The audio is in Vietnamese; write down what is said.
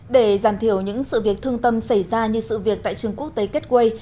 để giảm thiểu những sự việc thương tâm xảy ra như sự việc tại trường quốc tế kết quây